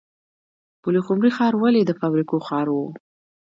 پلخمري ښار ولې د فابریکو ښار و؟